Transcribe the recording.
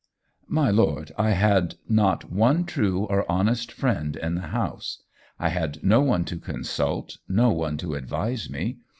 My Lord, I had not one true or honest friend in the house. I had no one to consult, no one to advise me.